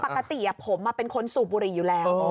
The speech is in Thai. ปกติผมเป็นคนสูบบุหรี่อยู่แล้ว